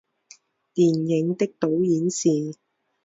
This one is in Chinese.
电影的导演是。